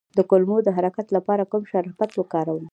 د کولمو د حرکت لپاره کوم شربت وکاروم؟